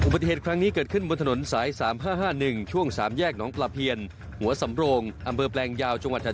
เพื่อไปส่งที่เสาพประลาวพอมาถึงจุดเกินเหตุมีรถติดไฟแดงอยู่ด้านหน้า